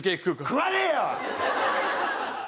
食わねえよ！